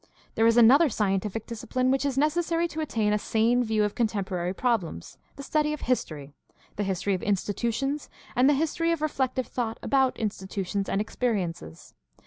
— ^There is another scientific discipline which is necessary to attain a sane view of contemporary problems — ^the study of history, the history of institutions, and the history of reflective thought about CHRISTIANITY AND SOCIAL PROBLEMS 691 institutions and experiences.